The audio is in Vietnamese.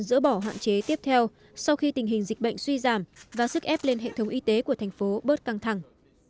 dỡ bỏ hạn chế tiếp theo sau khi tình hình dịch bệnh suy giảm và sức ép lên hệ thống y tế của thành phố bớt căng thẳng